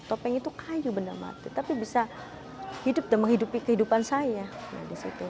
topeng itu kayu benda mati tapi bisa hidup dan menghidupi kehidupan saya nah disitu